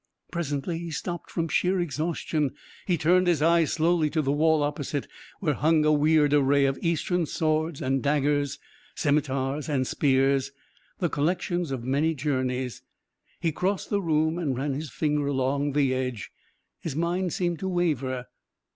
Presently he stopped from sheer exhaustion. He turned his eyes slowly to the wall opposite, where hung a weird array of Eastern swords and daggers, scimitars and spears, the collections of many journeys. He crossed the room and ran his finger along the edge. His mind seemed to waver.